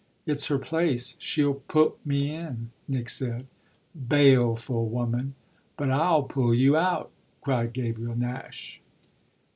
"It's her place she'll put me in," Nick said. "Baleful woman! But I'll pull you out!" cried Gabriel Nash.